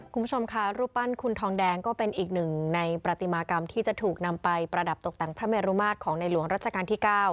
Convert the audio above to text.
คุณผู้ชมค่ะรูปปั้นคุณทองแดงก็เป็นอีกหนึ่งในปฏิมากรรมที่จะถูกนำไปประดับตกแต่งพระเมรุมาตรของในหลวงรัชกาลที่๙